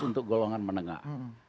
untuk golongan menengah